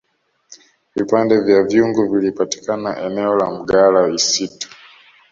vipande vya vyungu vilipatikana eneo la mgala isitu